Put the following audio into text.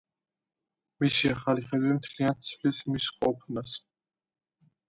მისი ახალი ხედვები მთლიანად ცვლის მის ყოფნას.